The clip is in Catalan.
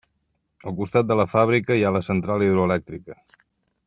Al costat de la fàbrica hi ha la central hidroelèctrica.